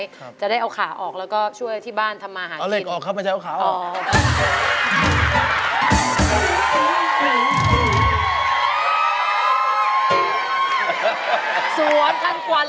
ครับจะได้เอาขาออกแล้วก็ช่วยที่บ้านทำมาหิกถึงเอาแรกไม่ใช่เอาขาออก